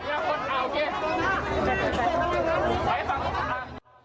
คนที่ไม่เข้าแถวจะไม่ได้นะครับ